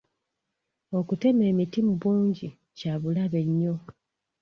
Okutema emiti mu bungi kya bulabe nnyo.